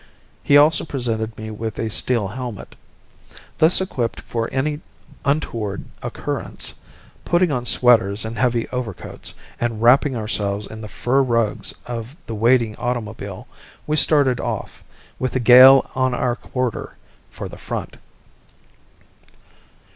He also presented me with a steel helmet. Thus equipped for any untoward occurrence, putting on sweaters and heavy overcoats, and wrapping ourselves in the fur rugs of the waiting automobile, we started off, with the gale on our quarter, for the front.